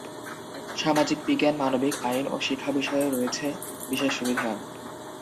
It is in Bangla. সামাজিক বিজ্ঞান, মানবিক, আইন ও শিক্ষা বিষয়ে রয়েছে বিশেষ সুবিধা।